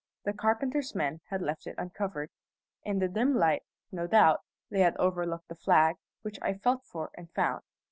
The carpenter's men had left it uncovered. In the dim light, no doubt, they had overlooked the flag, which I felt for and found.